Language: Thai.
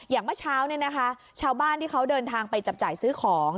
เมื่อเช้าชาวบ้านที่เขาเดินทางไปจับจ่ายซื้อของ